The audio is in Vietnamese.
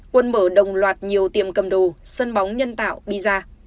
quân mở đồng loạt nhiều tiệm cầm đồ sân bóng nhân tạo pizza